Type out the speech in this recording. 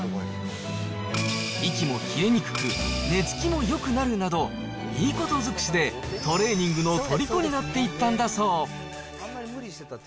息も切れにくく、寝つきもよくなるなど、いいこと尽くしで、トレーニングのとりこになっていったんだそう。